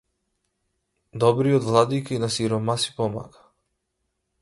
Добриот владика и на сиромаси помага.